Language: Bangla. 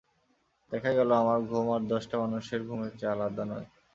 দেখা গেল আমার ঘুম আর দশটা মানুষের ঘুমের চেয়ে আলাদা নয়।